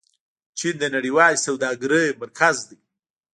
چین د نړیوالې سوداګرۍ مرکز دی.